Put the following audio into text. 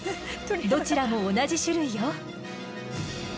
どちらも同じ種類よ。